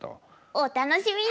お楽しみに！